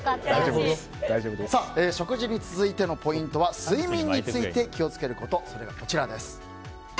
食事に続いてのポイントは睡眠について気を付けることです。